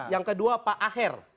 yang kedua pak aher